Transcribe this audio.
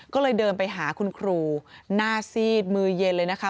ก็เลยเดินไปหาคุณครูหน้าซีดมือเย็นเลยนะคะ